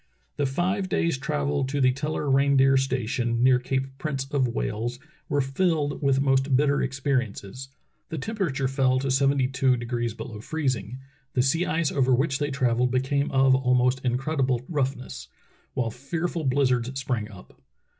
The five days' travel to the Teller reindeer station, near Cape Prince of Wales, were filled with most bitter experiences. The temperature fell to seventy two de grees below freezing; the sea ice over which they trav elled became of almost incredible roughness; while fear ful blizzards sprang up.